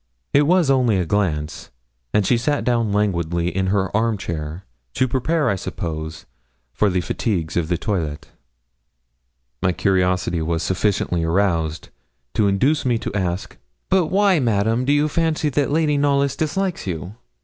It was only a glance, and she sat down languidly in her arm chair to prepare, I suppose, for the fatigues of the toilet. My curiosity was sufficiently aroused to induce me to ask 'But why, Madame, do you fancy that Lady Knollys dislikes you?'